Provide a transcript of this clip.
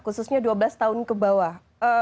khususnya dua belas tahun ke bawah